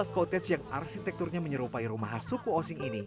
dua belas coutage yang arsitekturnya menyerupai rumah khas suku osing ini